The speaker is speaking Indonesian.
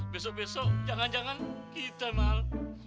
besok besok jangan jangan kita mahal